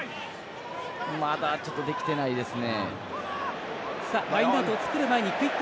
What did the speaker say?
まだちょっとできてないですね。